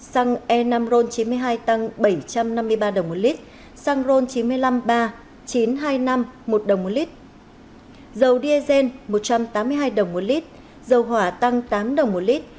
xăng e năm ron chín mươi hai tăng bảy trăm năm mươi ba đồng một lít xăng ron chín mươi năm iii chín trăm hai mươi năm một đồng một lít dầu diesel một trăm tám mươi hai đồng một lít dầu hỏa tăng tám đồng một lít